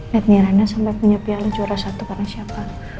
lihat nih reina sampe punya piala juara satu karena siapa